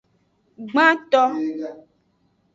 Gbanto.